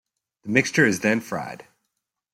The mixture is then fried.